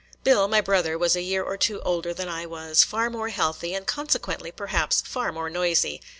Bill, my brother, was a year or two older than I was; far more healthy, and consequently, perhaps, far more noisy.